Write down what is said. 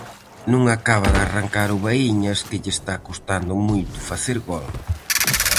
Non acaba de arrancar o Baíñas que lle esta custando moito facer gol.